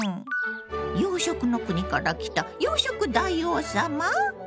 洋食の国から来た洋食大王様？